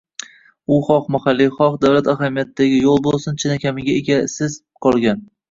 U xoh mahalliy, xoh davlat ahamiyatidagi yo‘l bo‘lsin chinakamiga egasiz qolgan